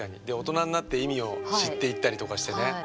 で大人になって意味を知っていったりとかしてね。